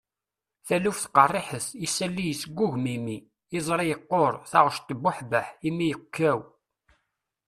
taluft qerriḥet, isalli yesgugum imi, iẓri yeqquṛ, taɣect tebbuḥbeḥ, imi yekkaw